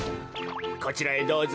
こちらへどうぞ。